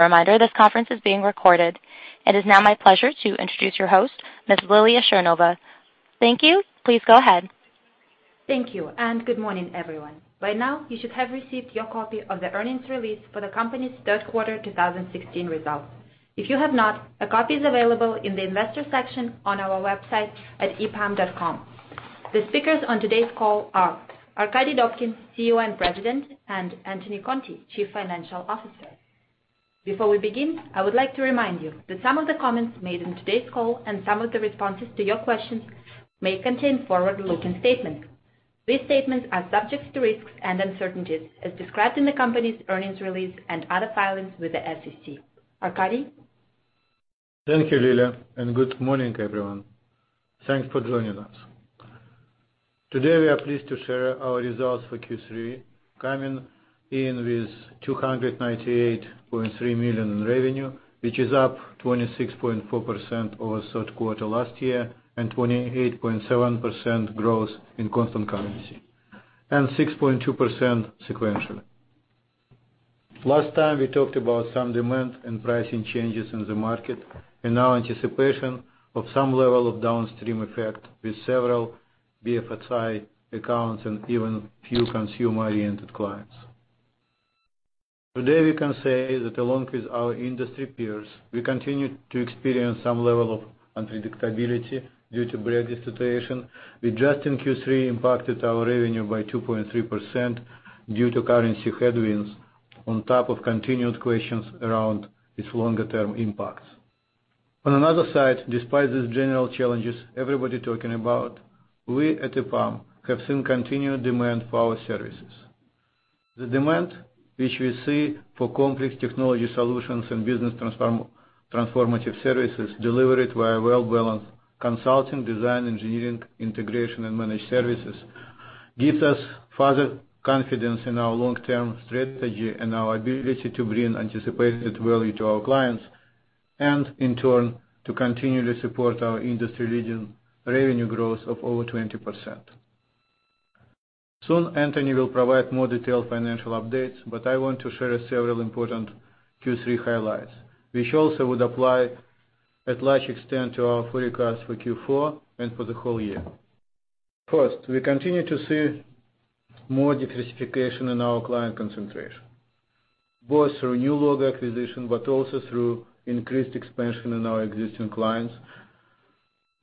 Reminder: this conference is being recorded. It is now my pleasure to introduce your host, Ms. Lilya Chernova. Thank you. Please go ahead. Thank you, and good morning, everyone. By now, you should have received your copy of the earnings release for the Company's Third Quarter 2016 Results. If you have not, a copy is available in the investor section on our website at epam.com. The speakers on today's call are Arkadiy Dobkin, CEO and President, and Anthony Conte, Chief Financial Officer. Before we begin, I would like to remind you that some of the comments made in today's call and some of the responses to your questions may contain forward-looking statements. These statements are subject to risks and uncertainties as described in the company's earnings release and other filings with the SEC. Arkadiy? Thank you, Lilya, and good morning, everyone. Thanks for joining us. Today, we are pleased to share our results for Q3, coming in with $298.3 million in revenue, which is up 26.4% over third quarter last year and 28.7% growth in constant currency, and 6.2% sequentially. Last time, we talked about some demand and pricing changes in the market and our anticipation of some level of downstream effect with several BFSI accounts and even few consumer-oriented clients. Today, we can say that along with our industry peers, we continue to experience some level of unpredictability due to Brexit situation, with just in Q3 impacted our revenue by 2.3% due to currency headwinds, on top of continued questions around its longer-term impacts. On another side, despite these general challenges everybody talking about, we at EPAM have seen continued demand for our services. The demand which we see for complex technology solutions and business transformative services delivered via well-balanced consulting, design, engineering, integration, and managed services gives us further confidence in our long-term strategy and our ability to bring anticipated value to our clients, and in turn, to continually support our industry-leading revenue growth of over 20%. Soon, Anthony will provide more detailed financial updates, but I want to share several important Q3 highlights, which also would apply at large extent to our forecast for Q4 and for the whole year. First, we continue to see more diversification in our client concentration, both through new logo acquisition but also through increased expansion in our existing clients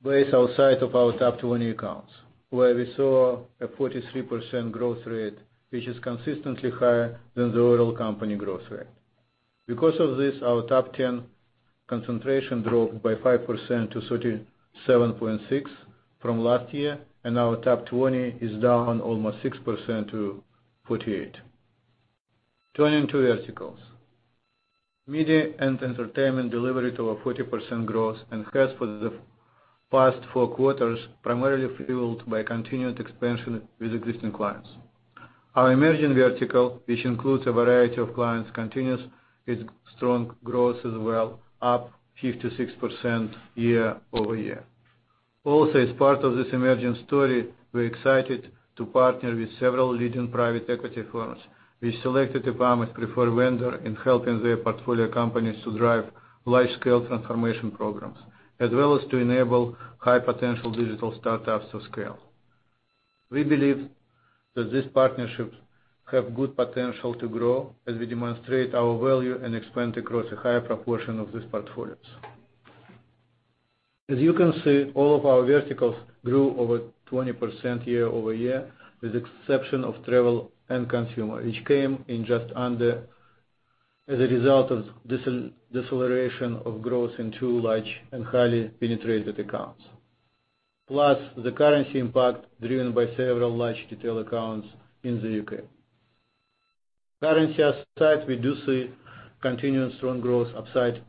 based outside of our top 20 accounts, where we saw a 43% growth rate which is consistently higher than the overall company growth rate. Because of this, our top 10 concentration dropped by 5%-37.6% from last year, and our top 20 is down almost 6%-48%. Turning to verticals. Media and Entertainment delivered over 40% growth and has, for the past four quarters, primarily fueled by continued expansion with existing clients. Our Emerging vertical, which includes a variety of clients, continues its strong growth as well, up 56% year-over-year. Also, as part of this Emerging story, we're excited to partner with several leading private equity firms, which selected EPAM as a preferred vendor in helping their portfolio companies to drive large-scale transformation programs, as well as to enable high-potential digital startups to scale. We believe that these partnerships have good potential to grow as we demonstrate our value and expand across a higher proportion of these portfolios. As you can see, all of our verticals grew over 20% year-over-year, with the exception of Travel and Consumer, which came in just under as a result of deceleration of growth in two large and highly penetrated accounts, plus the currency impact driven by several large retail accounts in the U.K.. Currency aside, we do see continued strong growth upside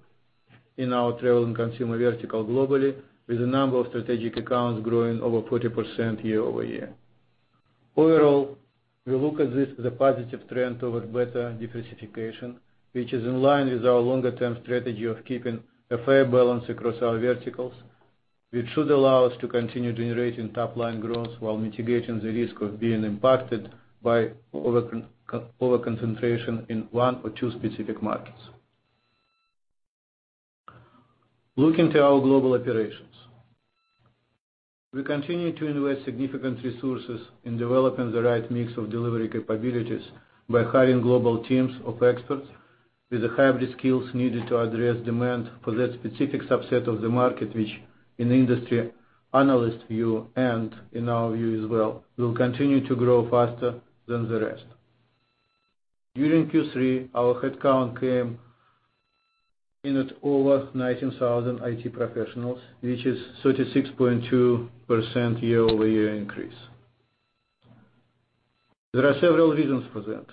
in our Travel and Consumer vertical globally, with a number of strategic accounts growing over 40% year-over-year. Overall, we look at this as a positive trend toward better diversification, which is in line with our longer-term strategy of keeping a fair balance across our verticals, which should allow us to continue generating top-line growth while mitigating the risk of being impacted by overconcentration in one or two specific markets. Looking to our global operations. We continue to invest significant resources in developing the right mix of delivery capabilities by hiring global teams of experts with the hybrid skills needed to address demand for that specific subset of the market which, in the industry analyst view and in our view as well, will continue to grow faster than the rest. During Q3, our headcount came in at over 19,000 IT professionals, which is a 36.2% year-over-year increase. There are several reasons for that.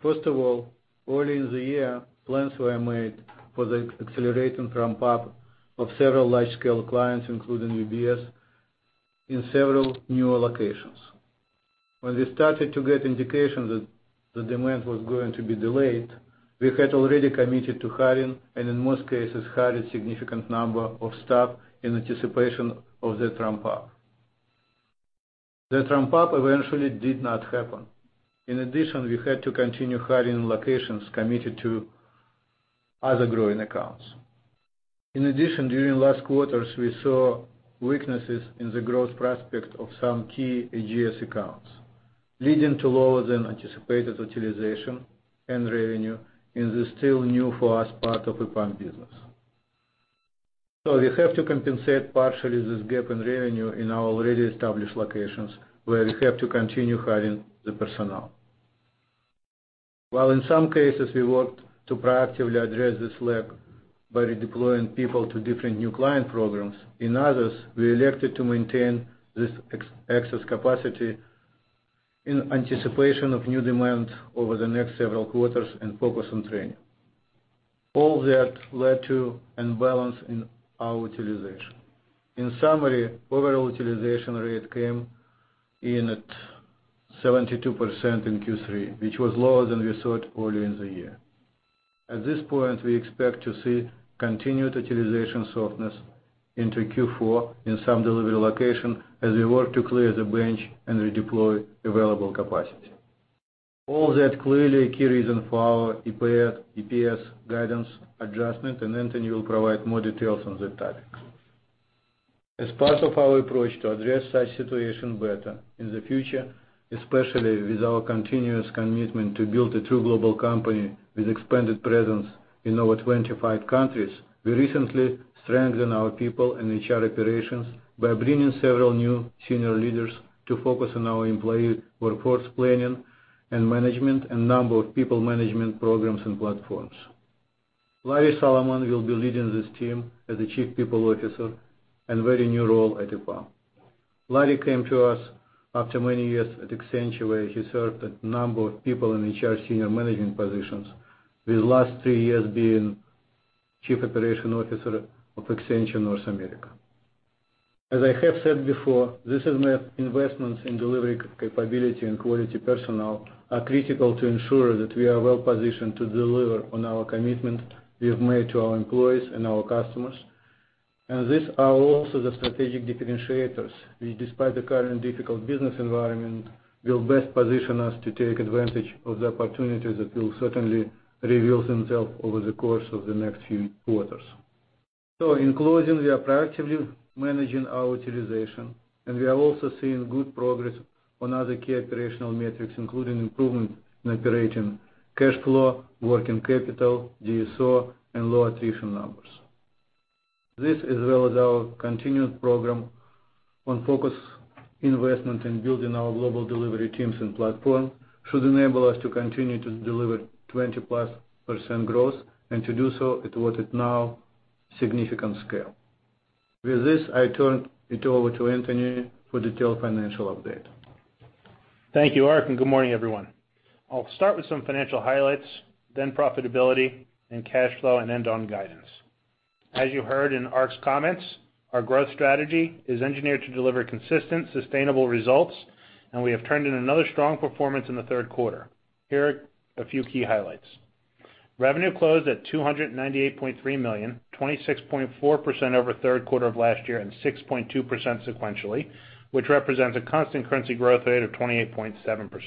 First of all, early in the year, plans were made for the accelerating ramp-up of several large-scale clients, including UBS, in several newer locations. When we started to get indications that the demand was going to be delayed, we had already committed to hiring and, in most cases, hired a significant number of staff in anticipation of that ramp-up. That ramp-up eventually did not happen. In addition, we had to continue hiring locations committed to other growing accounts. In addition, during last quarters, we saw weaknesses in the growth prospect of some key AGS accounts, leading to lower-than-anticipated utilization and revenue in the still new-for-us part of EPAM business. So we have to compensate partially this gap in revenue in our already established locations, where we have to continue hiring the personnel. While in some cases, we worked to proactively address this lag by redeploying people to different new client programs, in others, we elected to maintain this excess capacity in anticipation of new demand over the next several quarters and focus on training. All that led to an imbalance in our utilization. In summary, overall utilization rate came in at 72% in Q3, which was lower than we saw early in the year. At this point, we expect to see continued utilization softness into Q4 in some delivery location as we work to clear the bench and redeploy available capacity. All that, clearly, a key reason for our EPAM EPS guidance adjustment, and Anthony will provide more details on that topic. As part of our approach to address such situations better in the future, especially with our continuous commitment to build a true global company with expanded presence in over 25 countries, we recently strengthened our people and HR operations by bringing several new senior leaders to focus on our employee workforce planning and management and a number of people management programs and platforms. Larry Solomon will be leading this team as a Chief People Officer and a very new role at EPAM. Larry came to us after many years at Accenture, where he served a number of people in HR senior management positions, with the last three years being Chief Operations Officer of Accenture North America. As I have said before, this is where investments in delivery capability and quality personnel are critical to ensure that we are well-positioned to deliver on our commitment we've made to our employees and our customers. These are also the strategic differentiators, which, despite the current difficult business environment, will best position us to take advantage of the opportunities that will certainly reveal themselves over the course of the next few quarters. In closing, we are proactively managing our utilization, and we are also seeing good progress on other key operational metrics, including improvements in operating cash flow, working capital, DSO, and low attrition numbers. This, as well as our continued program on focused investment in building our global delivery teams and platforms, should enable us to continue to deliver 20+% growth and to do so at what is now significant scale. With this, I turn it over to Anthony for detailed financial update. Thank you, Ark, and good morning, everyone. I'll start with some financial highlights, then profitability and cash flow, and end on guidance. As you heard in Ark's comments, our growth strategy is engineered to deliver consistent, sustainable results, and we have turned in another strong performance in the third quarter. Here are a few key highlights. Revenue closed at $298.3 million, 26.4% over third quarter of last year and 6.2% sequentially, which represents a constant currency growth rate of 28.7%.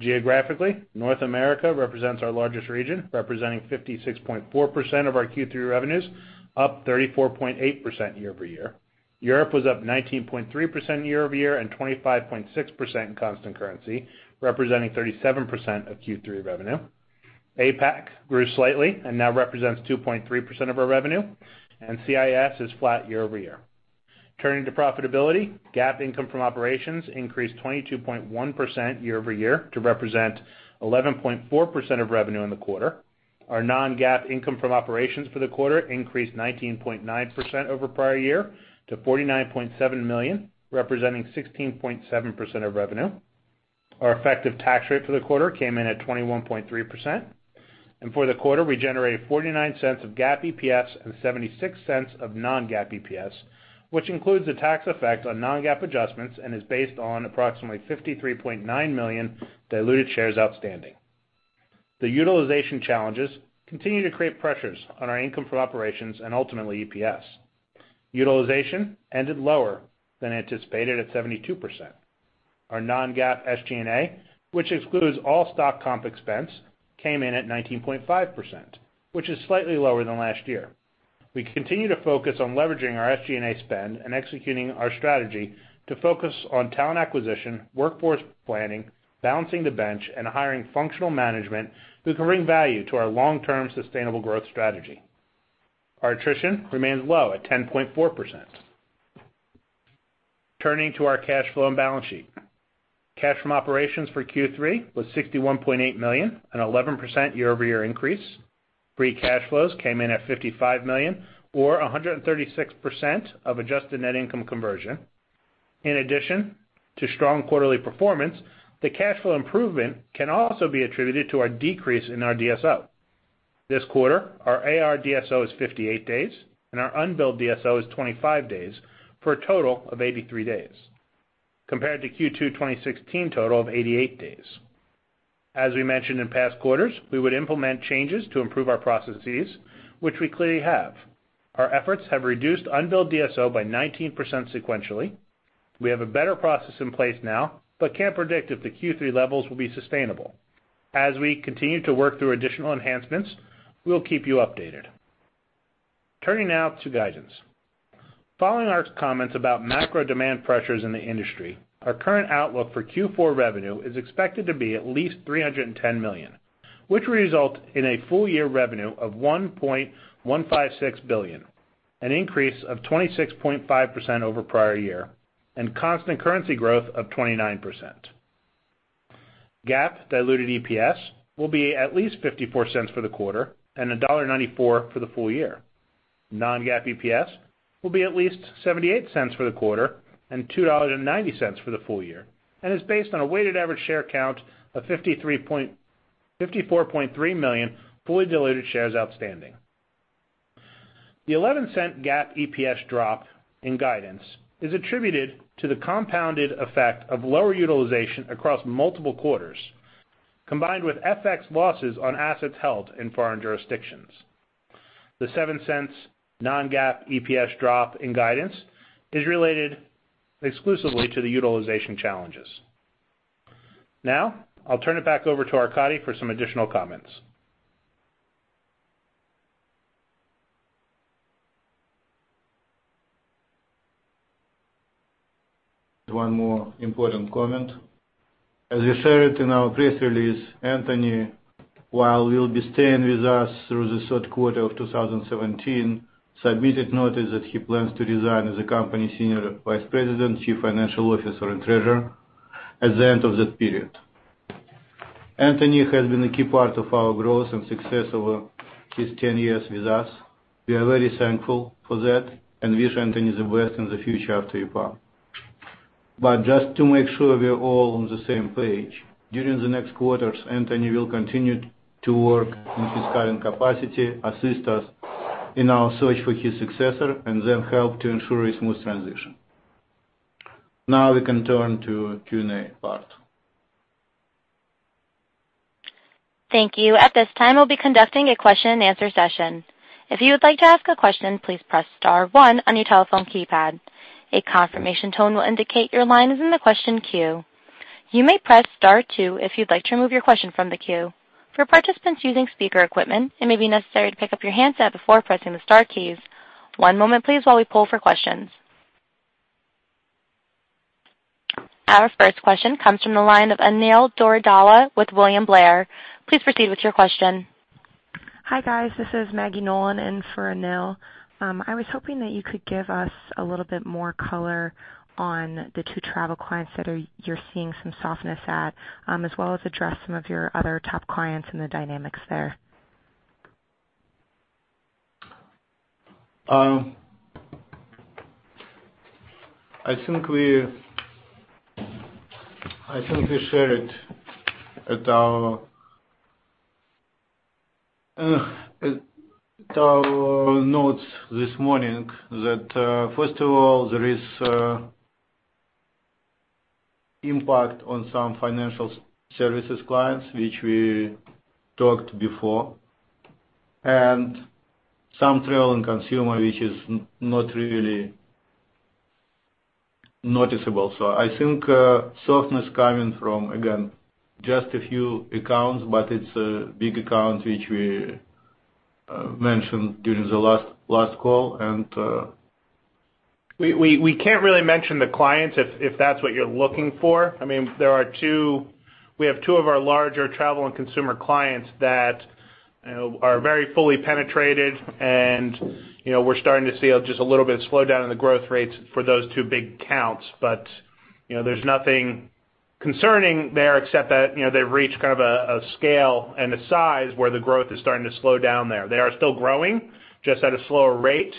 Geographically, North America represents our largest region, representing 56.4% of our Q3 revenues, up 34.8% year-over-year. Europe was up 19.3% year-over-year and 25.6% in constant currency, representing 37% of Q3 revenue. APAC grew slightly and now represents 2.3% of our revenue, and CIS is flat year-over-year. Turning to profitability, GAAP income from operations increased 22.1% year-over-year to represent 11.4% of revenue in the quarter. Our non-GAAP income from operations for the quarter increased 19.9% over prior year to $49.7 million, representing 16.7% of revenue. Our effective tax rate for the quarter came in at 21.3%. For the quarter, we generated $0.49 GAAP EPS and $0.76 non-GAAP EPS, which includes the tax effect on non-GAAP adjustments and is based on approximately 53.9 million diluted shares outstanding. The utilization challenges continue to create pressures on our income from operations and ultimately EPS. Utilization ended lower than anticipated at 72%. Our non-GAAP SG&A, which excludes all stock comp expense, came in at 19.5%, which is slightly lower than last year. We continue to focus on leveraging our SG&A spend and executing our strategy to focus on talent acquisition, workforce planning, balancing the bench, and hiring functional management who can bring value to our long-term sustainable growth strategy. Our attrition remains low at 10.4%. Turning to our cash flow and balance sheet. Cash from operations for Q3 was $61.8 million, an 11% year-over-year increase. Free cash flows came in at $55 million, or 136% of adjusted net income conversion. In addition to strong quarterly performance, the cash flow improvement can also be attributed to our decrease in our DSO. This quarter, our AR DSO is 58 days, and our unbilled DSO is 25 days for a total of 83 days, compared to Q2 2016 total of 88 days. As we mentioned in past quarters, we would implement changes to improve our processes, which we clearly have. Our efforts have reduced unbilled DSO by 19% sequentially. We have a better process in place now but can't predict if the Q3 levels will be sustainable. As we continue to work through additional enhancements, we'll keep you updated. Turning now to guidance. Following Ark's comments about macro demand pressures in the industry, our current outlook for Q4 revenue is expected to be at least $310 million, which would result in a full-year revenue of $1.156 billion, an increase of 26.5% over prior year, and constant currency growth of 29%. GAAP diluted EPS will be at least $0.54 for the quarter and $1.94 for the full year. Non-GAAP EPS will be at least $0.78 for the quarter and $2.90 for the full year and is based on a weighted average share count of 54.3 million fully diluted shares outstanding. The $0.11 GAAP EPS drop in guidance is attributed to the compounded effect of lower utilization across multiple quarters, combined with FX losses on assets held in foreign jurisdictions. The $0.07 non-GAAP EPS drop in guidance is related exclusively to the utilization challenges. Now, I'll turn it back over to Arkadiy for some additional comments. One more important comment. As we said it in our press release, Anthony, while we'll be staying with us through the third quarter of 2017, submitted notice that he plans to resign as a company Senior Vice President, Chief Financial Officer, and Treasurer at the end of that period. Anthony has been a key part of our growth and success over his 10 years with us. We are very thankful for that and wish Anthony the best in the future after EPAM. But just to make sure we're all on the same page, during the next quarters, Anthony will continue to work in his current capacity, assist us in our search for his successor, and then help to ensure a smooth transition. Now we can turn to Q&A part. Thank you. At this time, we'll be conducting a question-and-answer session. If you would like to ask a question, please press star one on your telephone keypad. A confirmation tone will indicate your line is in the question queue. You may press star two if you'd like to remove your question from the queue. For participants using speaker equipment, it may be necessary to pick up your handset before pressing the star keys. One moment, please, while we pull for questions. Our first question comes from the line of Anil Doradla with William Blair. Please proceed with your question. Hi, guys. This is Maggie Nolan in for Anil. I was hoping that you could give us a little bit more color on the two travel clients that you're seeing some softness at, as well as address some of your other top clients and the dynamics there. I think we shared it at our notes this morning that, first of all, there is impact on some financial services clients, which we talked before, and some traveling consumer, which is not really noticeable. So I think, softness coming from, again, just a few accounts, but it's a big account, which we mentioned during the last call. And, We can't really mention the clients if that's what you're looking for. I mean, there are two of our larger Travel and Consumer clients that, you know, are very fully penetrated, and, you know, we're starting to see just a little bit of slowdown in the growth rates for those two big accounts. But, you know, there's nothing concerning there except that, you know, they've reached kind of a scale and a size where the growth is starting to slow down there. They are still growing, just at a slower rate.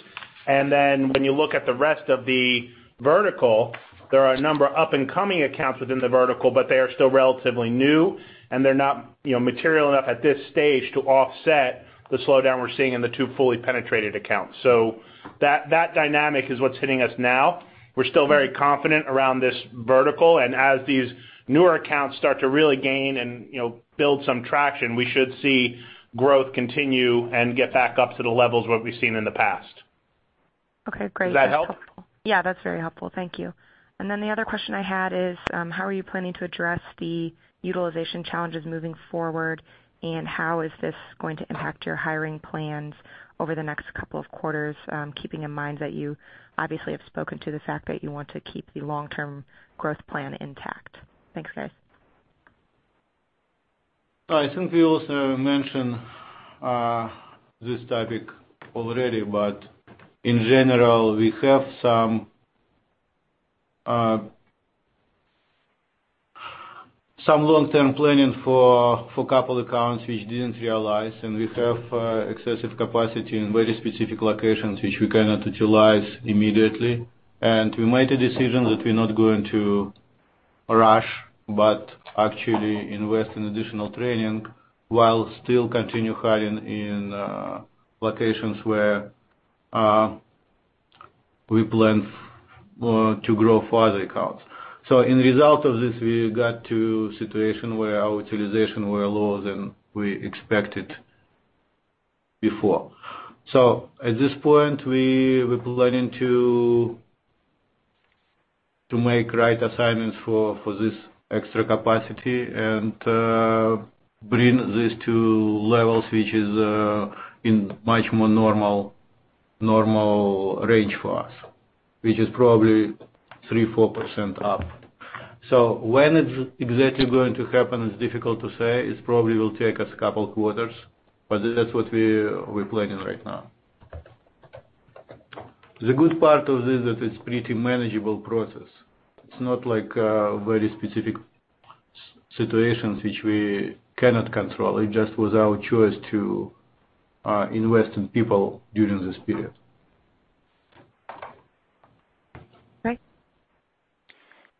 And then when you look at the rest of the vertical, there are a number of up-and-coming accounts within the vertical, but they are still relatively new, and they're not, you know, material enough at this stage to offset the slowdown we're seeing in the two fully penetrated accounts. So that dynamic is what's hitting us now. We're still very confident around this vertical, and as these newer accounts start to really gain and, you know, build some traction, we should see growth continue and get back up to the levels what we've seen in the past. Okay. Great. That's helpful. Does that help? Yeah. That's very helpful. Thank you. And then the other question I had is, how are you planning to address the utilization challenges moving forward, and how is this going to impact your hiring plans over the next couple of quarters, keeping in mind that you obviously have spoken to the fact that you want to keep the long-term growth plan intact? Thanks, guys. I think we also mentioned this topic already, but in general, we have some long-term planning for a couple of accounts, which didn't realize. We have excessive capacity in very specific locations, which we cannot utilize immediately. We made a decision that we're not going to rush but actually invest in additional training while still continue hiring in locations where we plan to grow farther accounts. So in result of this, we got to a situation where our utilization were lower than we expected before. So at this point, we're planning to make right assignments for this extra capacity and bring this to levels which is in much more normal range for us, which is probably 3%-4% up. So when it's exactly going to happen, it's difficult to say. It probably will take us a couple of quarters, but that's what we're planning right now. The good part of this is that it's a pretty manageable process. It's not like very specific situations, which we cannot control. It just was our choice to invest in people during this period. Okay.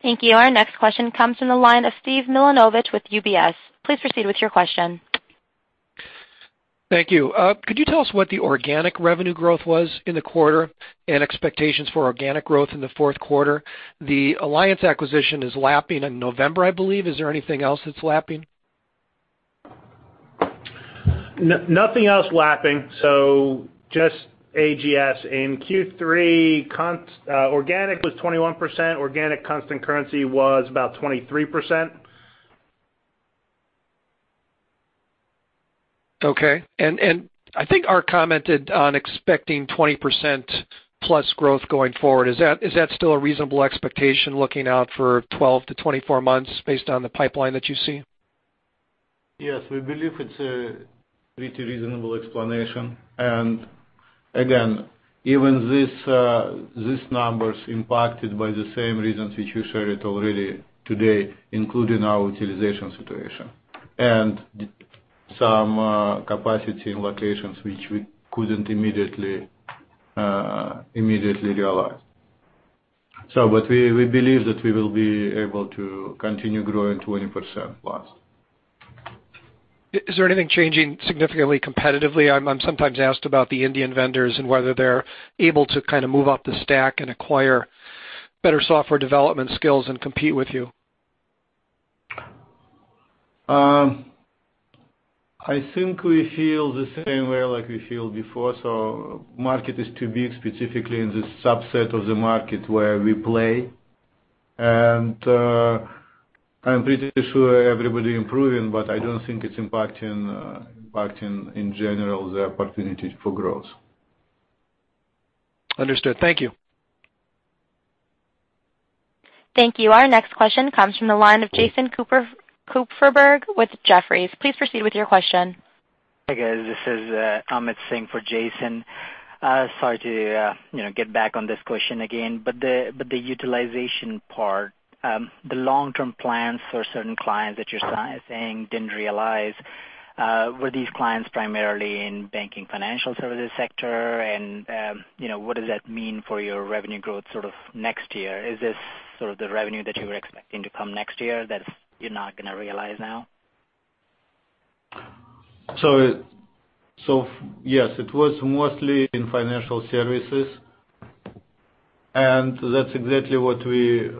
Thank you. Our next question comes from the line of Steve Milunovich with UBS. Please proceed with your question. Thank you. Could you tell us what the organic revenue growth was in the quarter and expectations for organic growth in the fourth quarter? The Alliance acquisition is lapping in November, I believe. Is there anything else that's lapping? Nothing else lapping. So just AGS in Q3.Non-GAAP organic was 21%. Organic constant currency was about 23%. Okay. And I think Ark commented on expecting 20%+ growth going forward. Is that still a reasonable expectation looking out for 12 to 24 months based on the pipeline that you see? Yes. We believe it's a pretty reasonable explanation. And again, even this, these numbers impacted by the same reasons, which we shared already today, including our utilization situation and some capacity in locations, which we couldn't immediately, immediately realize. So but we, we believe that we will be able to continue growing 20%+. Is there anything changing significantly competitively? I'm sometimes asked about the Indian vendors and whether they're able to kind of move up the stack and acquire better software development skills and compete with you. I think we feel the same way like we feel before. So market is too big, specifically in this subset of the market where we play. I'm pretty sure everybody's improving, but I don't think it's impacting in general the opportunity for growth. Understood. Thank you. Thank you. Our next question comes from the line of Jason Kupferberg with Jefferies. Please proceed with your question. Hi, guys. This is Amit Singh for Jason. Sorry to, you know, get back on this question again. But the utilization part, the long-term plans for certain clients that you're saying didn't realize, were these clients primarily in banking financial services sector? And, you know, what does that mean for your revenue growth sort of next year? Is this sort of the revenue that you were expecting to come next year that you're not gonna realize now? So, so yes. It was mostly in financial services, and that's exactly what we,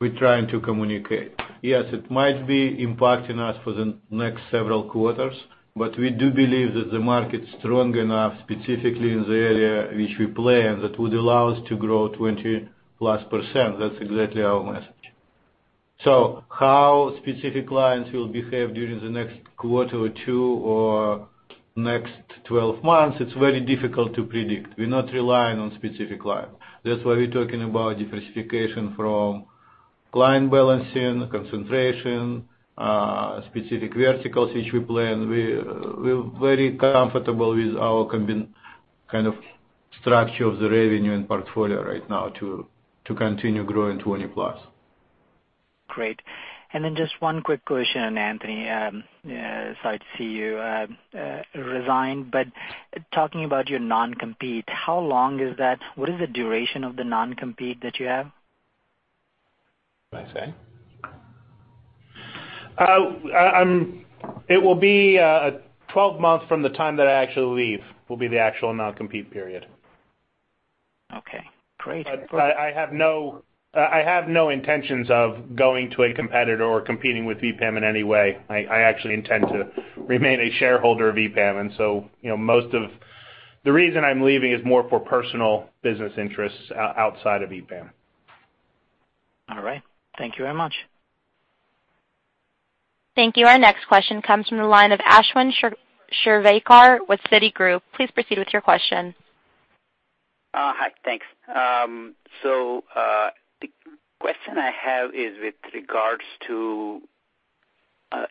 we're trying to communicate. Yes. It might be impacting us for the next several quarters, but we do believe that the market's strong enough, specifically in the area which we play, and that would allow us to grow 20%+. That's exactly our message. So how specific clients will behave during the next quarter or two or next 12 months, it's very difficult to predict. We're not relying on specific clients. That's why we're talking about diversification from client balancing, concentration, specific verticals, which we plan. We're, we're very comfortable with our combined kind of structure of the revenue and portfolio right now to, to continue growing 20%+. Great. And then just one quick question, Anthony. Sorry to see you resigned. But talking about your non-compete, how long is that? What is the duration of the non-compete that you have? Can I say? It will be 12 months from the time that I actually leave will be the actual non-compete period. Okay. Great. But I have no intentions of going to a competitor or competing with EPAM in any way. I actually intend to remain a shareholder of EPAM. And so, you know, most of the reason I'm leaving is more for personal business interests outside of EPAM. All right. Thank you very much. Thank you. Our next question comes from the line of Ashwin Shirvaikar with Citigroup. Please proceed with your question. Hi. Thanks. So, the question I have is with regards to,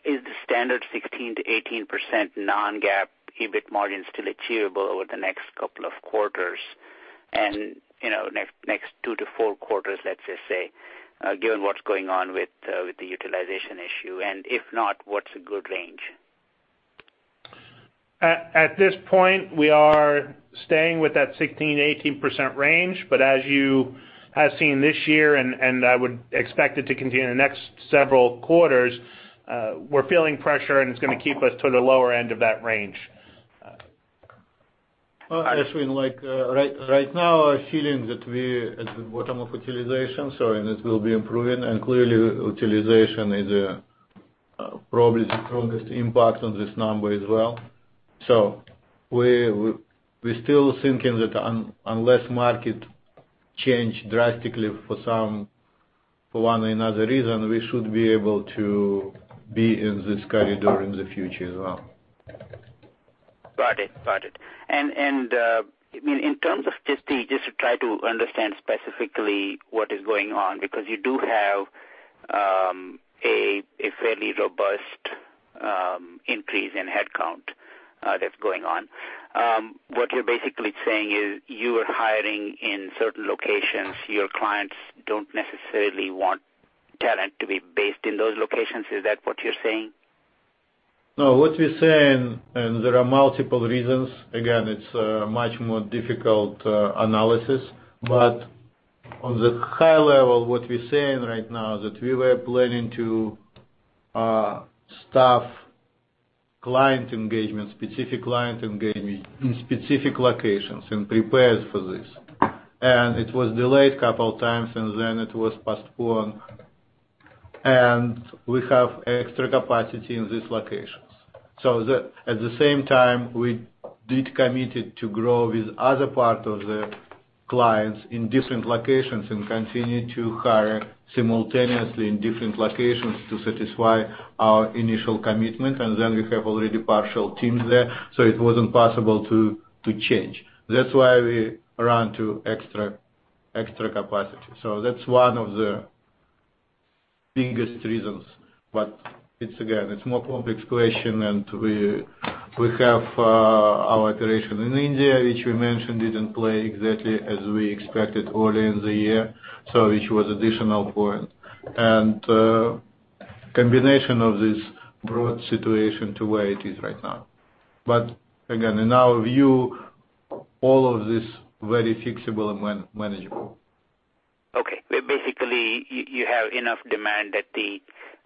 is the standard 16%-18% non-GAAP EBIT margin still achievable over the next couple of quarters and, you know, next, next two to four quarters, let's just say, given what's going on with, with the utilization issue? And if not, what's a good range? At this point, we are staying with that 16%-18% range. But as you have seen this year, and I would expect it to continue in the next several quarters, we're feeling pressure, and it's gonna keep us to the lower end of that range. Ashwin, like, right now, our feeling that we're at the bottom of utilization, so and it will be improving. And clearly, utilization is probably the strongest impact on this number as well. So we're still thinking that unless market change drastically for one or another reason, we should be able to be in this corridor in the future as well. Got it. Got it. And I mean, in terms of just to try to understand specifically what is going on because you do have a fairly robust increase in headcount that's going on. What you're basically saying is you are hiring in certain locations. Your clients don't necessarily want talent to be based in those locations. Is that what you're saying? No. What we're saying and there are multiple reasons. Again, it's a much more difficult analysis. But on the high level, what we're saying right now is that we were planning to staff client engagement, specific client engagement in specific locations and prepare for this. And it was delayed a couple of times, and then it was postponed. And we have extra capacity in these locations. So at the same time, we did commit it to grow with other part of the clients in different locations and continue to hire simultaneously in different locations to satisfy our initial commitment. And then we have already partial teams there, so it wasn't possible to change. That's why we run to extra capacity. So that's one of the biggest reasons. But it's again, it's a more complex question, and we, we have our operation in India, which we mentioned, didn't play exactly as we expected early in the year, so which was an additional point. And combination of this broad situation to where it is right now. But again, in our view, all of this is very fixable and manageable. Okay. Basically, you have enough demand that the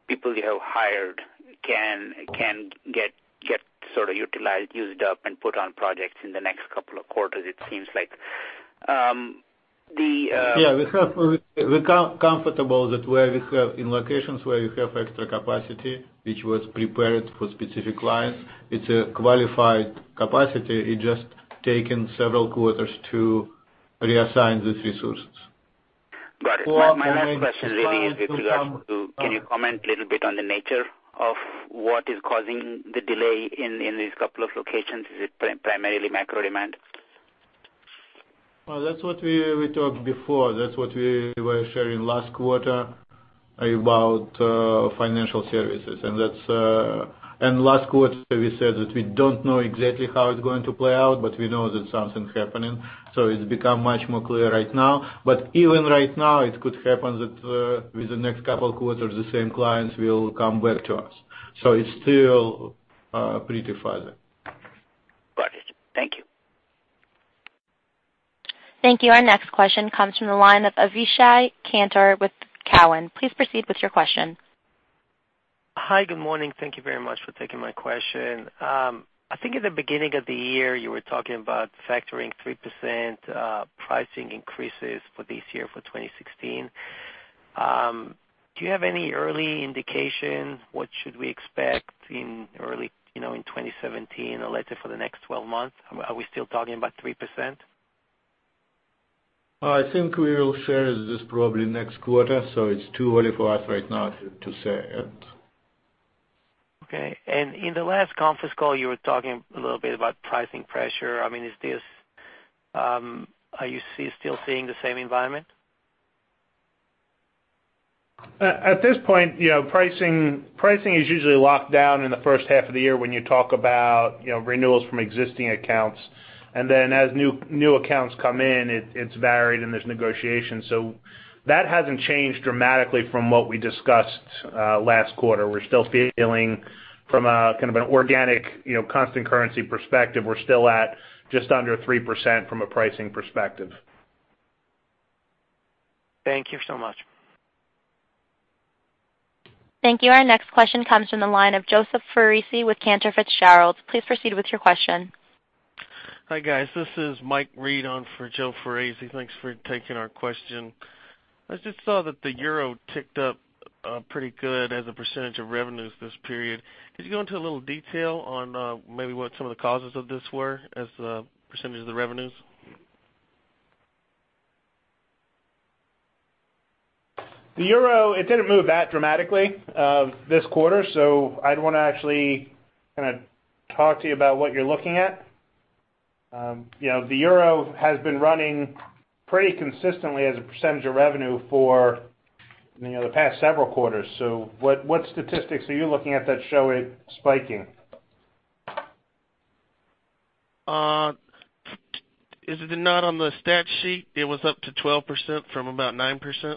people you have hired can get sort of utilized, used up, and put on projects in the next couple of quarters, it seems like. Yeah. We're comfortable that in locations where we have extra capacity, which was prepared for specific clients, it's a qualified capacity. It's just taken several quarters to reassign these resources. Got it. My, my last question really is with regards to can you comment a little bit on the nature of what is causing the delay in, in these couple of locations? Is it primarily macro demand? Well, that's what we talked before. That's what we were sharing last quarter about financial services. And last quarter, we said that we don't know exactly how it's going to play out, but we know that something's happening. So it's become much more clear right now. But even right now, it could happen that with the next couple of quarters, the same clients will come back to us. So it's still pretty fuzzy. Got it. Thank you. Thank you. Our next question comes from the line of Avishai Kantor with Cowen. Please proceed with your question. Hi. Good morning. Thank you very much for taking my question. I think at the beginning of the year, you were talking about factoring 3% pricing increases for this year, for 2016. Do you have any early indication what we should expect in early, you know, in 2017, let's say for the next 12 months? Are we still talking about 3%? Well, I think we will share this probably next quarter, so it's too early for us right now to say it. Okay. In the last conference call, you were talking a little bit about pricing pressure. I mean, is this, are you still seeing the same environment? At this point, you know, pricing, pricing is usually locked down in the first half of the year when you talk about, you know, renewals from existing accounts. And then as new, new accounts come in, it's varied, and there's negotiations. So that hasn't changed dramatically from what we discussed last quarter. We're still feeling from a kind of an organic, you know, constant currency perspective, we're still at just under 3% from a pricing perspective. Thank you so much. Thank you. Our next question comes from the line of Joseph Foresi with Cantor Fitzgerald. Please proceed with your question. Hi, guys. This is Mike Reid on for Joseph Foresi. Thanks for taking our question. I just saw that the euro ticked up, pretty good as a percentage of revenues this period. Could you go into a little detail on, maybe what some of the causes of this were as the percentage of the revenues? The euro, it didn't move that dramatically this quarter, so I'd wanna actually kinda talk to you about what you're looking at. You know, the euro has been running pretty consistently as a percentage of revenue for, you know, the past several quarters. So what, what statistics are you looking at that show it spiking? Is it not on the stat sheet? It was up to 12% from about 9%.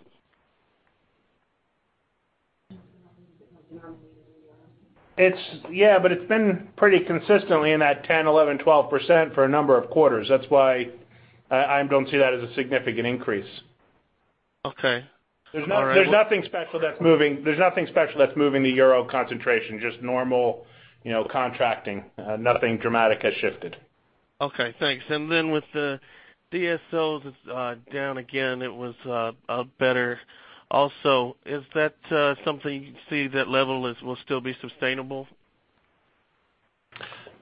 It's, yeah. But it's been pretty consistently in that 10%, 11%, 12% for a number of quarters. That's why, I don't see that as a significant increase. Okay. All right. There's nothing special that's moving the Euro concentration, just normal, you know, contracting. Nothing dramatic has shifted. Okay. Thanks. And then with the DSOs, it's down again. It was better. Also, is that something you see that level will still be sustainable?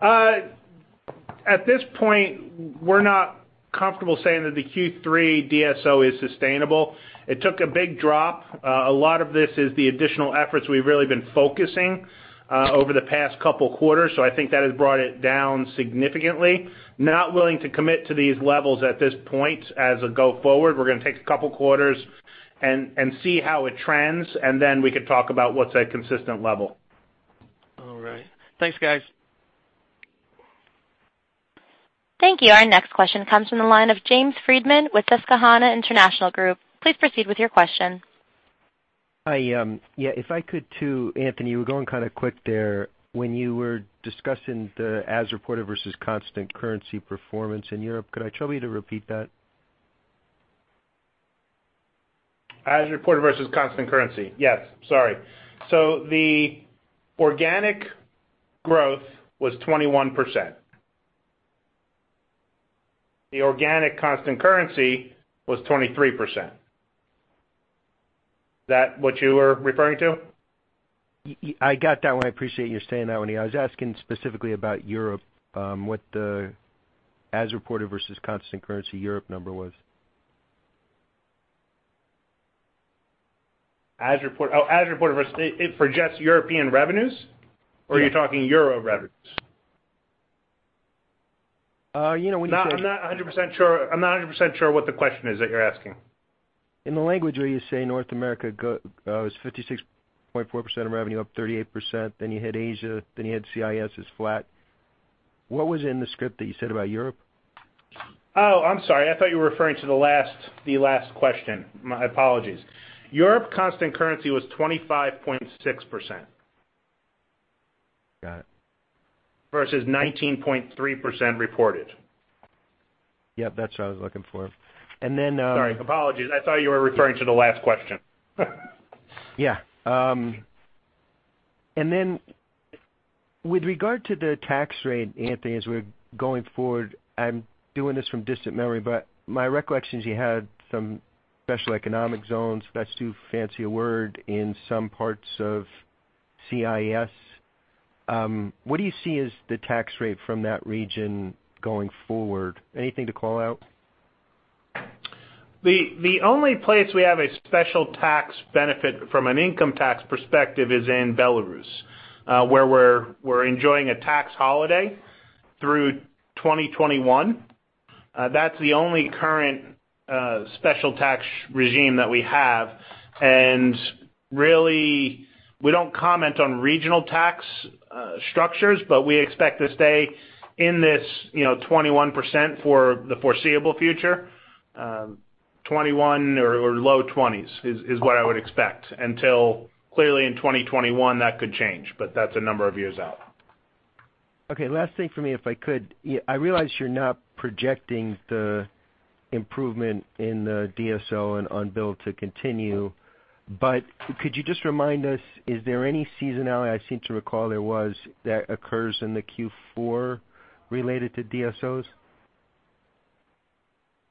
At this point, we're not comfortable saying that the Q3 DSO is sustainable. It took a big drop. A lot of this is the additional efforts we've really been focusing, over the past couple of quarters. So I think that has brought it down significantly. Not willing to commit to these levels at this point as a go forward. We're gonna take a couple of quarters and see how it trends, and then we could talk about what's a consistent level. All right. Thanks, guys. Thank you. Our next question comes from the line of James Friedman with Susquehanna International Group. Please proceed with your question. Hi, yeah. If I could too, Anthony, we're going kinda quick there. When you were discussing the as-reported versus constant currency performance in Europe, could I trouble you to repeat that? As-reported versus constant currency. Yes. Sorry. So the organic growth was 21%. The organic constant currency was 23%. Is that what you were referring to? I got that one. I appreciate you saying that one. I was asking specifically about Europe, what the as-reported versus constant currency Europe number was. As-reported versus it for just European revenues, or are you talking euro revenues? You know, when you say. No, I'm not 100% sure. I'm not 100% sure what the question is that you're asking. In the language where you say North America go it was 56.4% of revenue, up 38%. Then you hit Asia. Then you hit CIS is flat. What was in the script that you said about Europe? Oh, I'm sorry. I thought you were referring to the last question. My apologies. Europe constant currency was 25.6%. Got it. Versus 19.3% reported. Yep. That's what I was looking for. And then, Sorry. Apologies. I thought you were referring to the last question. Yeah. And then with regard to the tax rate, Anthony, as we're going forward, I'm doing this from distant memory, but my recollection is you had some special economic zones. That's too fancy a word. In some parts of CIS, what do you see as the tax rate from that region going forward? Anything to call out? The only place we have a special tax benefit from an income tax perspective is in Belarus, where we're enjoying a tax holiday through 2021. That's the only current special tax regime that we have. Really, we don't comment on regional tax structures, but we expect to stay in this, you know, 21% for the foreseeable future, 21% or low 20s is what I would expect until clearly, in 2021, that could change. But that's a number of years out. Okay. Last thing for me, if I could. Yeah. I realize you're not projecting the improvement in the DSO and unbilled to continue, but could you just remind us, is there any seasonality I seem to recall there was that occurs in the Q4 related to DSOs?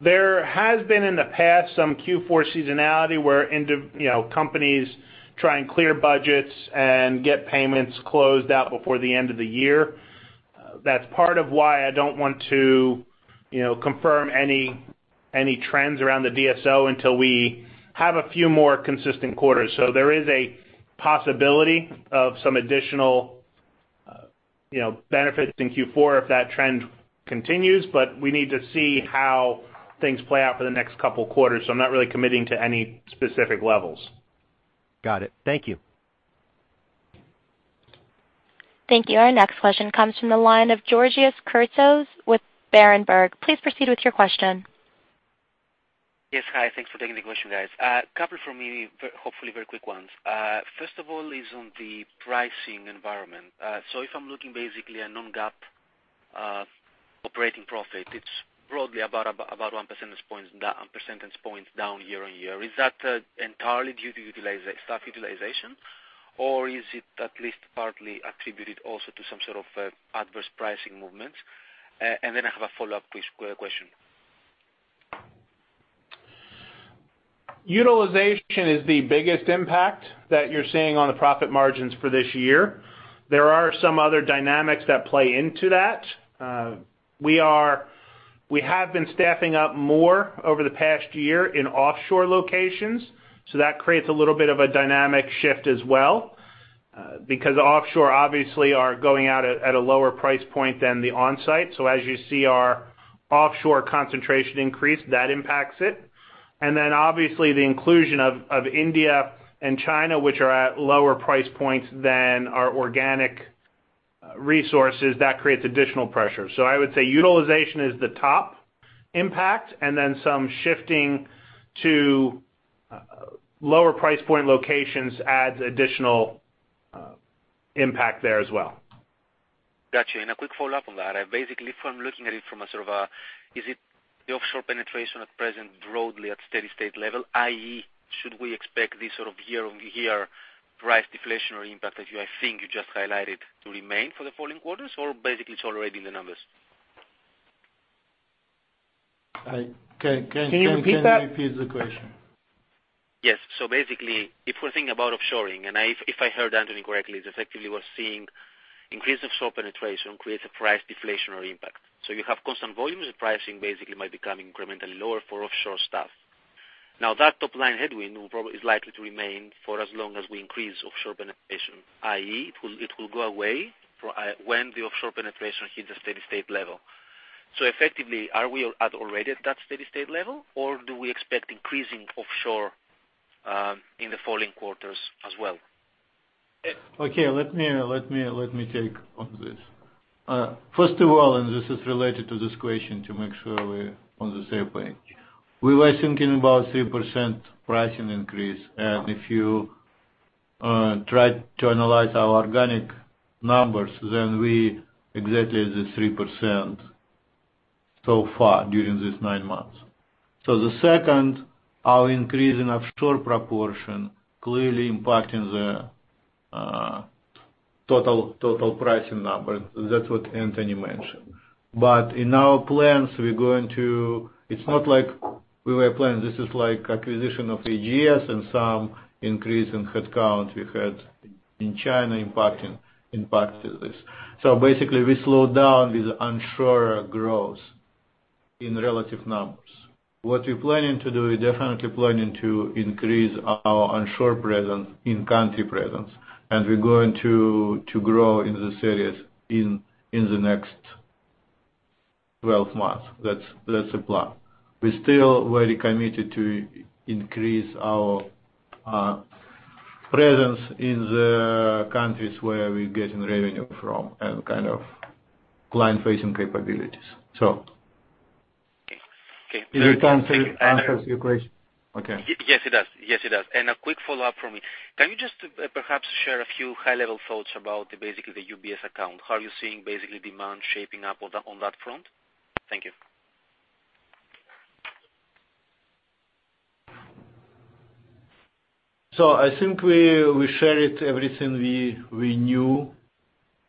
There has been in the past some Q4 seasonality where individuals, you know, companies try and clear budgets and get payments closed out before the end of the year. That's part of why I don't want to, you know, confirm any trends around the DSO until we have a few more consistent quarters. So there is a possibility of some additional, you know, benefits in Q4 if that trend continues, but we need to see how things play out for the next couple of quarters. So I'm not really committing to any specific levels. Got it. Thank you. Thank you. Our next question comes from the line of Georgios Kertsos with Berenberg. Please proceed with your question. Yes. Hi. Thanks for taking the question, guys. A couple for me, very hopefully, very quick ones. First of all, it's on the pricing environment. So if I'm looking basically at non-GAAP operating profit, it's broadly about 1 percentage points down year-over-year. Is that entirely due to staff utilization, or is it at least partly attributed also to some sort of adverse pricing movements? And then I have a follow-up question. Utilization is the biggest impact that you're seeing on the profit margins for this year. There are some other dynamics that play into that. We have been staffing up more over the past year in offshore locations, so that creates a little bit of a dynamic shift as well, because offshore, obviously, are going out at a lower price point than the onsite. So as you see our offshore concentration increase, that impacts it. And then, obviously, the inclusion of India and China, which are at lower price points than our organic resources, that creates additional pressure. So I would say utilization is the top impact, and then some shifting to lower price point locations adds additional impact there as well. Gotcha. A quick follow-up on that. Basically, if I'm looking at it from a sort of, is it the offshore penetration at present broadly at steady-state level, i.e., should we expect this sort of year-on-year price deflationary impact that I think you just highlighted to remain for the following quarters, or basically, it's already in the numbers? I can. Can you repeat that? Can you repeat the question? Yes. So basically, if we're thinking about offshoring and if I heard Anthony correctly, it's effectively we're seeing increase in offshore penetration creates a price deflationary impact. So you have constant volumes. The pricing, basically, might become incrementally lower for offshore staff. Now, that top-line headwind will probably is likely to remain for as long as we increase offshore penetration, i.e., it will go away for when the offshore penetration hits a steady-state level. So effectively, are we already at that steady-state level, or do we expect increasing offshore in the following quarters as well? Okay. Let me let me let me take on this. First of all, and this is related to this question to make sure we're on the same page, we were thinking about 3% pricing increase. And if you try to analyze our organic numbers, then we exactly at the 3% so far during these nine months. So the second, our increase in offshore proportion clearly impacting the total total pricing number. That's what Anthony mentioned. But in our plans, we're going to it's not like we were planning. This is like acquisition of AGS and some increase in headcount we had in China impacting impacted this. So basically, we slowed down with onshore growth in relative numbers. What we're planning to do, we're definitely planning to increase our onshore presence in country presence, and we're going to to grow in this areas in in the next 12 months. That's, that's the plan. We're still very committed to increase our presence in the countries where we're getting revenue from and kind of client-facing capabilities, so. Okay. Does it answer your question? Okay. Yes, it does. And a quick follow-up from me. Can you just, perhaps, share a few high-level thoughts about basically the UBS account? How are you seeing basically demand shaping up on that front? Thank you. So I think we shared everything we knew.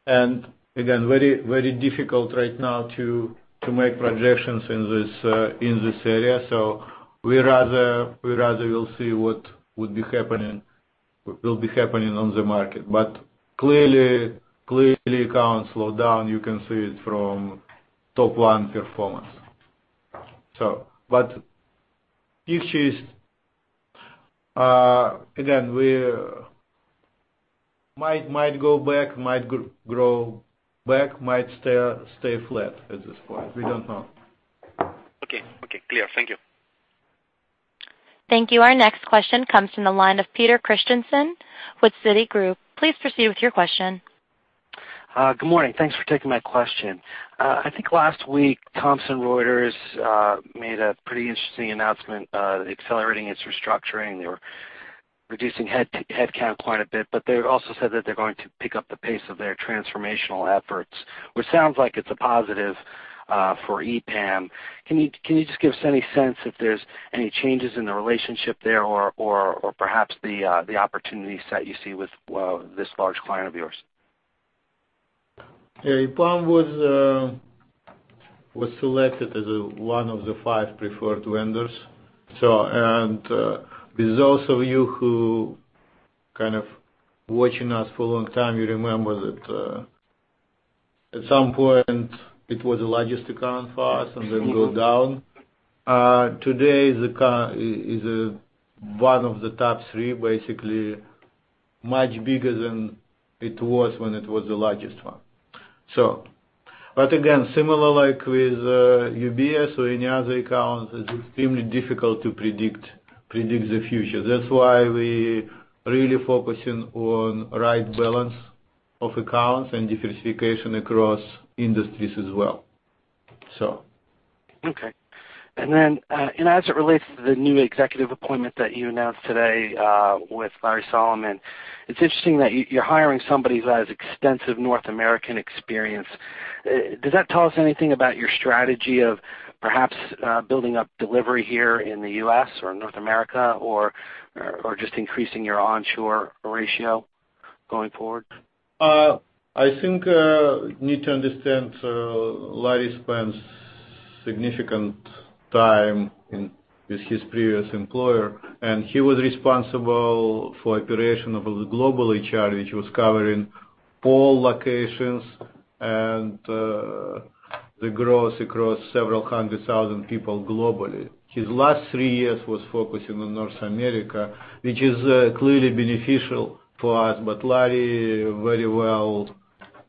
And again, very, very difficult right now to make projections in this area. So we rather will see what will be happening on the market. But clearly, clearly, account slowed down. You can see it from top-line performance, so. But picture is, again, we might go back, might grow back, might stay flat at this point. We don't know. Okay. Okay. Clear. Thank you. Thank you. Our next question comes from the line of Peter Christiansen with Citigroup. Please proceed with your question. Good morning. Thanks for taking my question. I think last week, Thomson Reuters made a pretty interesting announcement, accelerating its restructuring. They were reducing headcount quite a bit. But they also said that they're going to pick up the pace of their transformational efforts, which sounds like it's a positive for EPAM. Can you just give us any sense if there's any changes in the relationship there or perhaps the opportunities that you see with this large client of yours? Yeah. EPAM was, was selected as 1 of the 5 preferred vendors. So and, with those of you who kind of watching us for a long time, you remember that, at some point, it was the largest account for us and then go down. Today, the account is 1 of the top 3, basically, much bigger than it was when it was the largest one, so. But again, similar like with, UBS or any other accounts, it's extremely difficult to predict, predict the future. That's why we're really focusing on right balance of accounts and diversification across industries as well, so. Okay. And then, and as it relates to the new executive appointment that you announced today, with Larry Solomon, it's interesting that you're hiring somebody who has extensive North American experience. Does that tell us anything about your strategy of perhaps building up delivery here in the U.S. or North America or just increasing your onshore ratio going forward? I think you need to understand, Larry spends significant time in with his previous employer. He was responsible for operation of a global HR, which was covering all locations and the growth across several hundred thousand people globally. His last three years was focusing on North America, which is clearly beneficial for us. Larry very well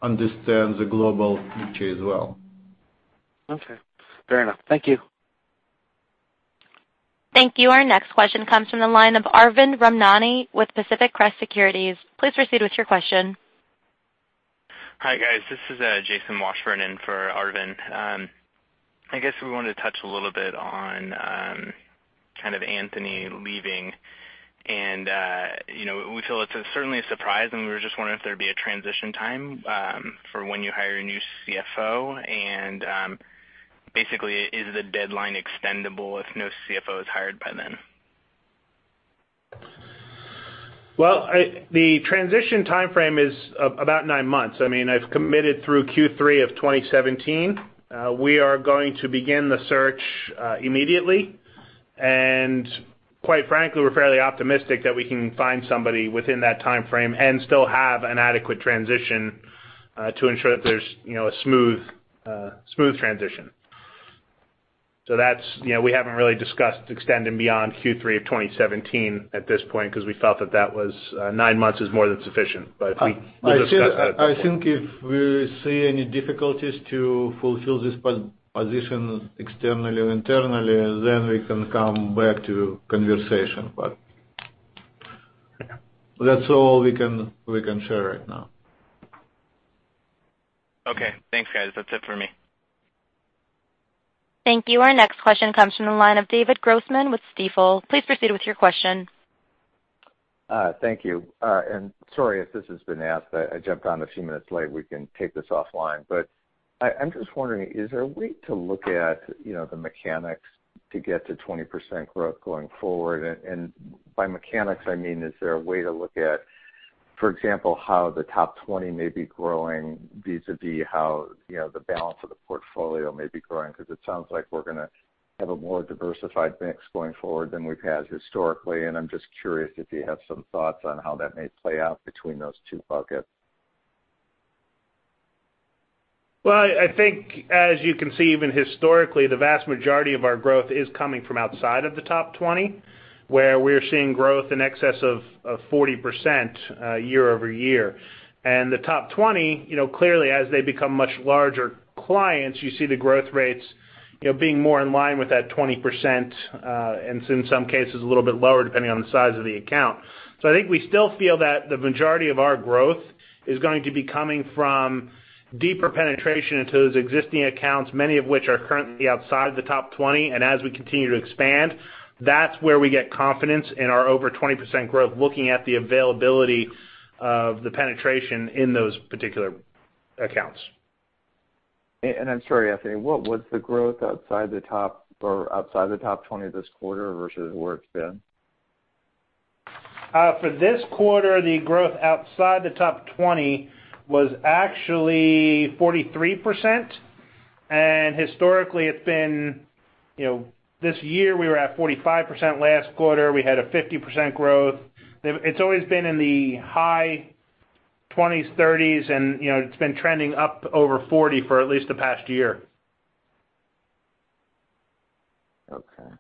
understands the global picture as well. Okay. Fair enough. Thank you. Thank you. Our next question comes from the line of Arvind Ramnani with Pacific Crest Securities. Please proceed with your question. Hi, guys. This is Jason Washburn in for Arvind. I guess we wanted to touch a little bit on kind of Anthony leaving. And you know, we feel it's certainly a surprise, and we were just wondering if there'd be a transition time for when you hire a new CFO. And basically, is the deadline extendable if no CFO is hired by then? Well, the transition timeframe is about nine months. I mean, I've committed through Q3 of 2017. We are going to begin the search immediately. Quite frankly, we're fairly optimistic that we can find somebody within that timeframe and still have an adequate transition, to ensure that there's, you know, a smooth, smooth transition. So that's, you know, we haven't really discussed extending beyond Q3 of 2017 at this point 'cause we felt that that was, nine months is more than sufficient. But we, I think, will discuss that soon. I think if we see any difficulties to fulfill this position externally or internally, then we can come back to conversation. But. Okay. That's all we can share right now. Okay. Thanks, guys. That's it for me. Thank you. Our next question comes from the line of David Grossman with Stifel. Please proceed with your question. Thank you. And sorry if this has been asked. I jumped on a few minutes late. We can take this offline. But I'm just wondering, is there a way to look at, you know, the mechanics to get to 20% growth going forward? And by mechanics, I mean, is there a way to look at, for example, how the top 20 may be growing vis-à-vis how, you know, the balance of the portfolio may be growing? 'Cause it sounds like we're gonna have a more diversified mix going forward than we've had historically. And I'm just curious if you have some thoughts on how that may play out between those two buckets. Well, I think as you can see, even historically, the vast majority of our growth is coming from outside of the top 20, where we're seeing growth in excess of 40% year-over-year. The top 20, you know, clearly, as they become much larger clients, you see the growth rates, you know, being more in line with that 20%, and so in some cases, a little bit lower depending on the size of the account. I think we still feel that the majority of our growth is going to be coming from deeper penetration into those existing accounts, many of which are currently outside of the top 20. As we continue to expand, that's where we get confidence in our over 20% growth looking at the availability of the penetration in those particular accounts. I'm sorry, Anthony. What was the growth outside the top or outside the top 20 this quarter versus where it's been? For this quarter, the growth outside the top 20 was actually 43%. And historically, it's been, you know, this year, we were at 45% last quarter. We had a 50% growth. It's always been in the high 20s, 30s. And, you know, it's been trending up over 40% for at least the past year. Okay.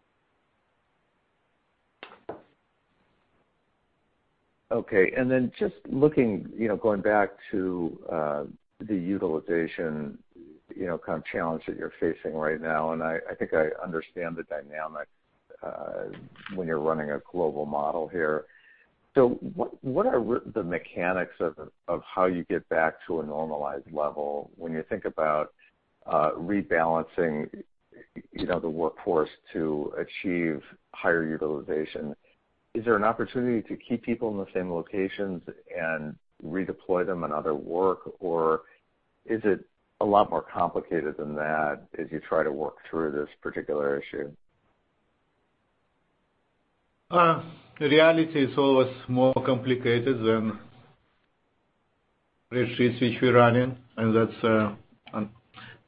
Okay. And then just looking, you know, going back to the utilization, you know, kind of challenge that you're facing right now. And I think I understand the dynamic when you're running a global model here. So what are the mechanics of how you get back to a normalized level when you think about rebalancing, you know, the workforce to achieve higher utilization? Is there an opportunity to keep people in the same locations and redeploy them in other work? Or is it a lot more complicated than that as you try to work through this particular issue? The reality is always more complicated than regions which we're running. And that's,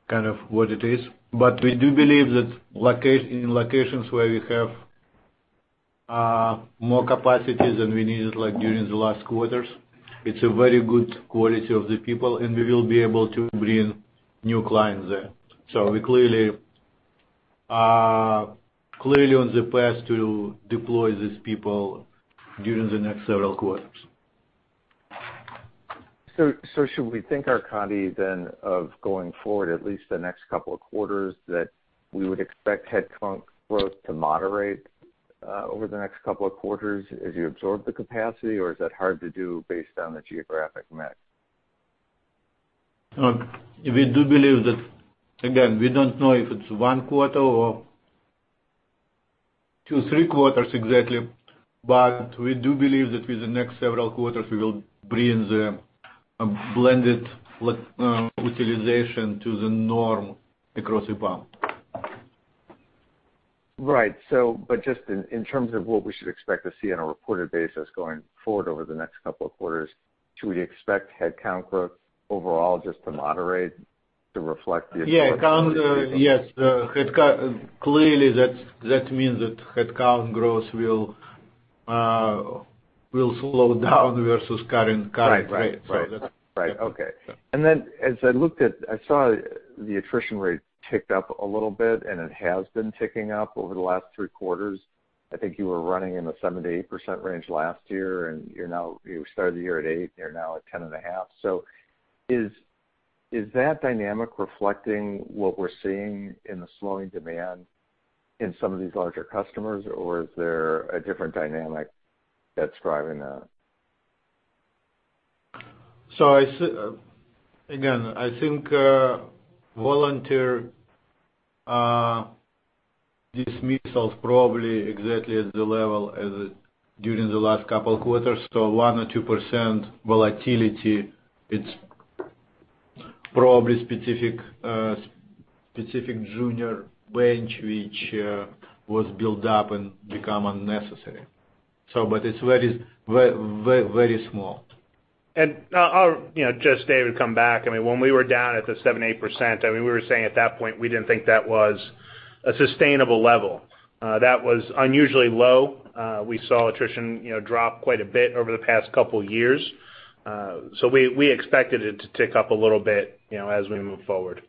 kind of what it is. But we do believe that in locations where we have more capacity than we needed, like, during the last quarters, it's a very good quality of the people, and we will be able to bring new clients there. So we clearly, clearly on the path to deploy these people during the next several quarters. So, should we think your quota then of going forward, at least the next couple of quarters, that we would expect headcount growth to moderate over the next couple of quarters as you absorb the capacity? Or is that hard to do based on the geographic mix? We do believe that again, we don't know if it's one quarter or two, three quarters exactly. But we do believe that with the next several quarters, we will bring the blended utilization to the norm across EPAM. Right. So but just in terms of what we should expect to see on a reported basis going forward over the next couple of quarters, should we expect headcount growth overall just to moderate to reflect the absorption? Yeah. Account, yes. The headcount, clearly, that means that headcount growth will slow down versus cutting rates. Right. Right. So that's. Right. Right. Okay. And then, as I looked at, I saw the attrition rate ticked up a little bit, and it has been ticking up over the last three quarters. I think you were running in the 78% range last year. And now you started the year at 8%, and you're now at 10.5%. So is, is that dynamic reflecting what we're seeing in the slowing demand in some of these larger customers? Or is there a different dynamic that's driving that? as I said again, I think voluntary dismissals probably exactly at the level as it during the last couple of quarters. So 1% or 2% volatility, it's probably specific, specific junior bench which was built up and become unnecessary, so. But it's very very small. I'll, you know, just come back, David. I mean, when we were down at the 7%-8%, I mean, we were saying at that point, we didn't think that was a sustainable level. That was unusually low. We saw attrition, you know, drop quite a bit over the past couple of years. So we, we expected it to tick up a little bit, you know, as we move forward.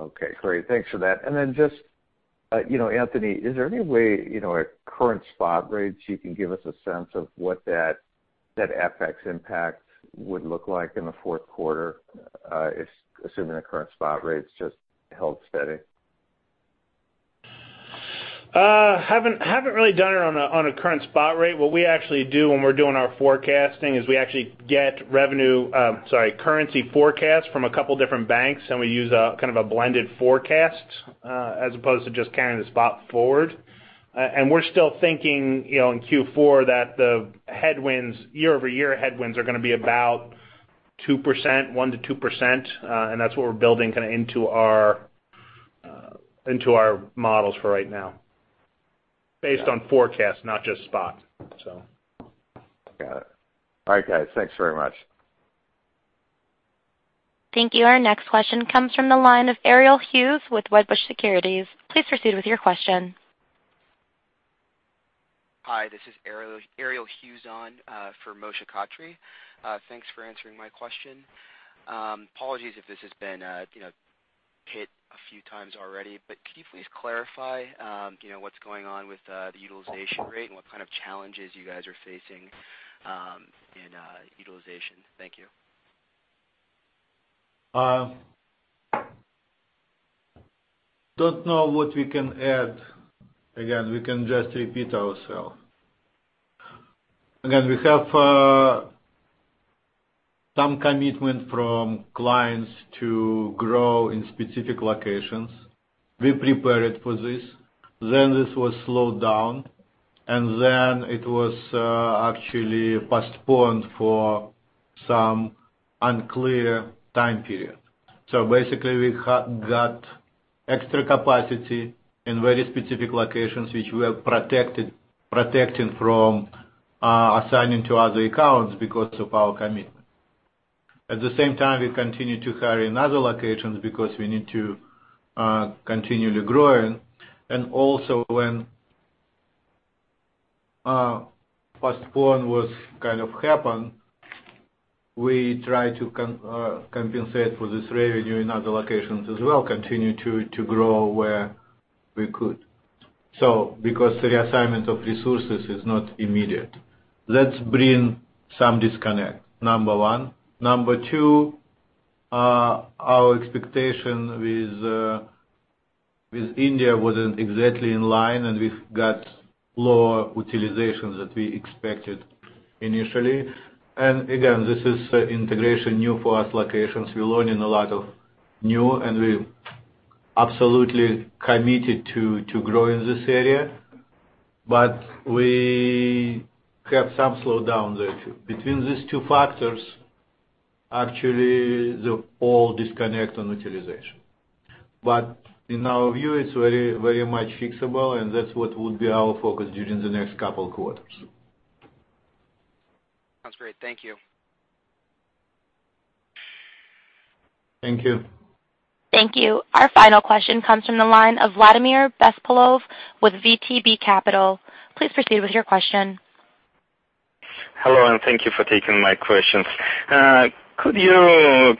Okay. Great. Thanks for that. And then just, you know, Anthony, is there any way, you know, at current spot rates, you can give us a sense of what that, that FX impact would look like in the fourth quarter, if assuming the current spot rates just held steady? Haven't really done it on a current spot rate. What we actually do when we're doing our forecasting is we actually get revenue sorry, currency forecasts from a couple of different banks. We use a kind of a blended forecast, as opposed to just carrying the spot forward. We're still thinking, you know, in Q4 that the headwinds year-over-year headwinds are gonna be about 2%, 1%-2%. That's what we're building kinda into our models for right now based on forecast, not just spot, so. Got it. All right, guys. Thanks very much. Thank you. Our next question comes from the line of Ariel Hughes with Wedbush Securities. Please proceed with your question. Hi. This is Ariel Hughes on for Moshe Katri. Thanks for answering my question. Apologies if this has been, you know, hit a few times already. But could you please clarify, you know, what's going on with the utilization rate and what kind of challenges you guys are facing in utilization? Thank you. don't know what we can add. Again, we can just repeat ourselves. Again, we have some commitment from clients to grow in specific locations. We prepared for this. Then this was slowed down. And then it was, actually postponed for some unclear time period. So basically, we have got extra capacity in very specific locations which we are protecting from assigning to other accounts because of our commitment. At the same time, we continue to hire in other locations because we need to continually grow. And also, when postponement kind of happened, we try to compensate for this revenue in other locations as well, continue to grow where we could, so because the reassignment of resources is not immediate. That brings some disconnect, number one. Number two, our expectation with India wasn't exactly in line. And we got lower utilizations than we expected initially. Again, this is integration new for us locations. We're learning a lot of new. We are absolutely committed to to grow in this area. But we have some slowdown there, too. Between these two factors, actually, the all disconnect on utilization. But in our view, it's very, very much fixable. And that's what would be our focus during the next couple of quarters. Sounds great. Thank you. Thank you. Thank you. Our final question comes from the line of Vladimir Bespalov with VTB Capital. Please proceed with your question. Hello. Thank you for taking my questions. Could you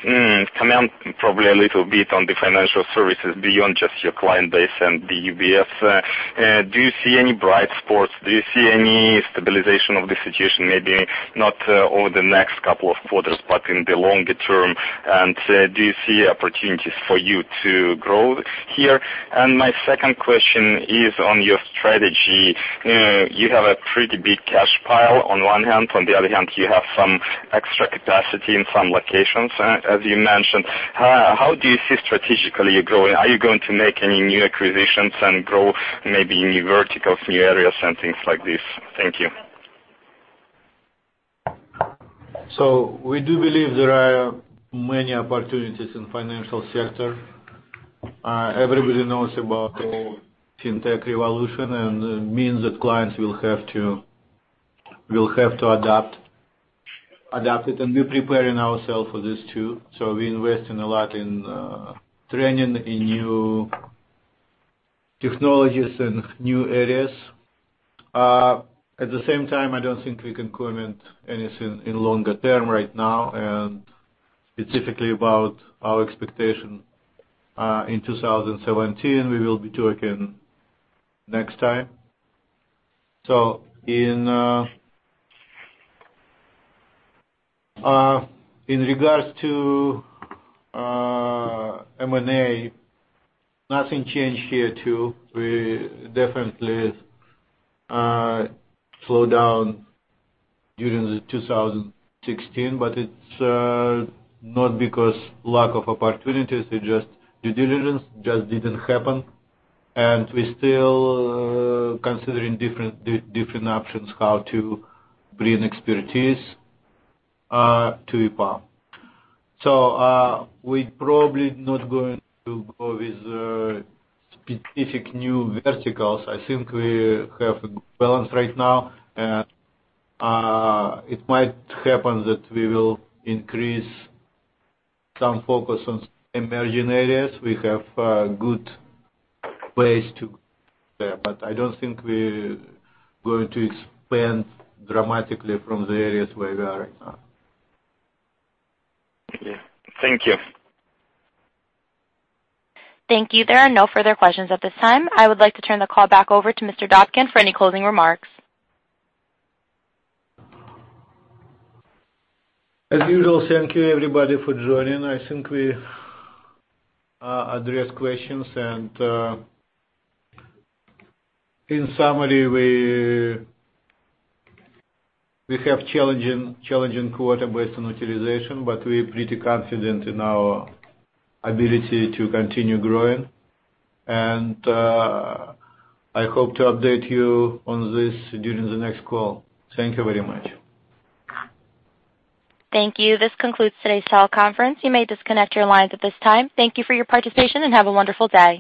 comment probably a little bit on the financial services beyond just your client base and the UBS? Do you see any bright spots? Do you see any stabilization of the situation, maybe not over the next couple of quarters but in the longer term? Do you see opportunities for you to grow here? My second question is on your strategy. You know, you have a pretty big cash pile on one hand. On the other hand, you have some extra capacity in some locations, as you mentioned. How do you see strategically you're growing? Are you going to make any new acquisitions and grow maybe new verticals, new areas, and things like this? Thank you. So we do believe there are many opportunities in financial sector. Everybody knows about the whole Fintech revolution. And it means that clients will have to adapt it. And we're preparing ourselves for this, too. So we investing a lot in training in new technologies and new areas. At the same time, I don't think we can comment anything in longer term right now and specifically about our expectation, in 2017. We will be talking next time. So in regards to M&A, nothing changed here, too. We definitely slowed down during the 2016. But it's not because lack of opportunities. It just due diligence just didn't happen. And we still considering different different options how to bring expertise to EPAM. So we probably not going to go with specific new verticals. I think we have a good balance right now. It might happen that we will increase some focus on Emerging areas. We have good ways to go there. But I don't think we're going to expand dramatically from the areas where we are right now. Yeah. Thank you. Thank you. There are no further questions at this time. I would like to turn the call back over to Mr. Dobkin for any closing remarks. As usual, thank you, everybody, for joining. I think we addressed questions. In summary, we have challenging, challenging quarter based on utilization. But we're pretty confident in our ability to continue growing. I hope to update you on this during the next call. Thank you very much. Thank you. This concludes today's teleconference. You may disconnect your lines at this time. Thank you for your participation, and have a wonderful day.